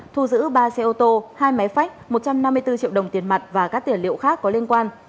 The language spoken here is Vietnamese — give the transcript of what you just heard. thu giữ ba xe ô tô hai máy phách một trăm năm mươi bốn triệu đồng tiền mặt và các tiểu liệu khác có liên quan